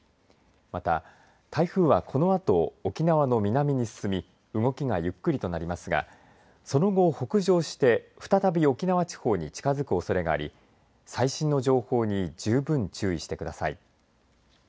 また、台風はこのあと、沖縄の南に進み動きが、ゆっくりとなりますがその後、北上して再び、沖縄地方に近づくおそれがあり最新の情報に十分、注意してください。